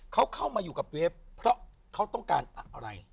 เขาเข้ามาอยู่กับเวฟเพราะเขาต้องการอะไร